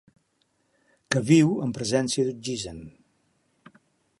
Que viu en presència d'oxigen.